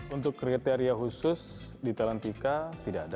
untuk kriteria khusus di talentika tidak ada